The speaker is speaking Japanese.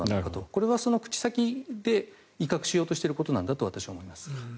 これは口先で威嚇しようとしていることなんだと私は思います。